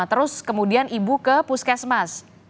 terus kemudian ibu ke puskesmas